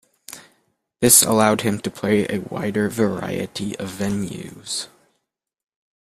This allowed him to play a wider variety of venues.